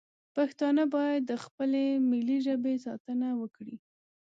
پښتانه باید د خپلې ملي ژبې ساتنه وکړي